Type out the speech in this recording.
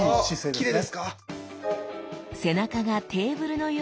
きれいですか？